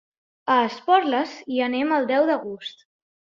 A Esporles hi anem el deu d'agost.